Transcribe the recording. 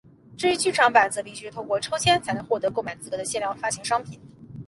至于剧场版则是必须透过抽签才能获得购买资格的限量发行商品。